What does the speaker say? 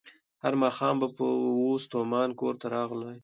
هر ماښام به وو ستومان کورته راغلی